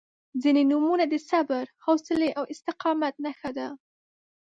• ځینې نومونه د صبر، حوصلې او استقامت نښه ده.